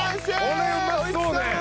これうまそうね。